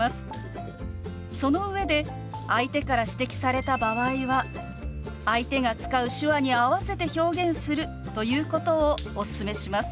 その上で相手から指摘された場合は相手が使う手話に合わせて表現するということをおすすめします。